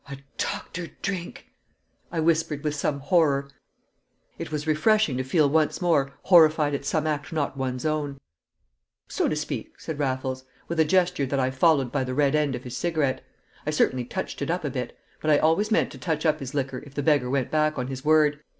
"A doctored drink!" I whispered with some horror; it was refreshing to feel once more horrified at some act not one's own. "So to speak," said Raffles, with a gesture that I followed by the red end of his cigarette; "I certainly touched it up a bit, but I always meant to touch up his liquor if the beggar went back on his word.